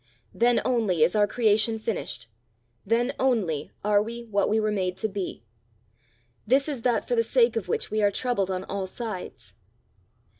Then only is our creation finished then only are we what we were made to be. This is that for the sake of which we are troubled on all sides."